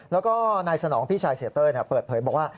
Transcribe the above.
แล้วก็นายสนองพี่ชายเสียเต้ยเปิดเผยบอกว่า